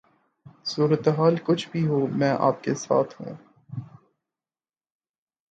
صورتحال کچھ بھی ہو میں آپ کے ساتھ ہوں